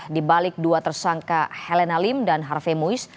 dibalik dua tersangka helena lim dan harvey moise